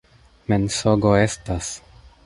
Mensogo estas!